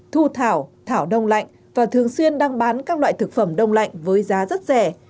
thu thảo thảo đông lạnh và thường xuyên đang bán các loại thực phẩm đông lạnh với giá rất rẻ